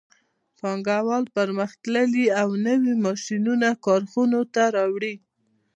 پانګوال پرمختللي او نوي ماشینونه کارخانو ته راوړي